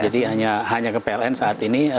jadi hanya ke pln saat ini